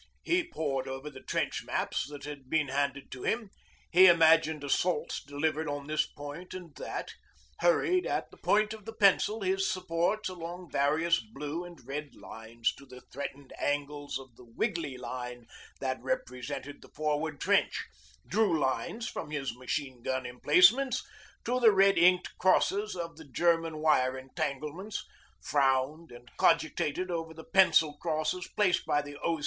He pored over the trench maps that had been handed to him, he imagined assaults delivered on this point and that, hurried, at the point of the pencil, his supports along various blue and red lines to the threatened angles of the wriggly line that represented the forward trench, drew lines from his machine gun emplacements to the red inked crosses of the German wire entanglements, frowned and cogitated over the pencil crosses placed by the O.